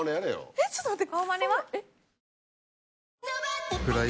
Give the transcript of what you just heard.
えっちょっと待って。